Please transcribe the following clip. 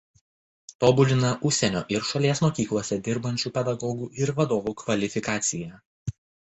Tobulina užsienio ir šalies mokyklose dirbančių pedagogų ir vadovų kvalifikaciją.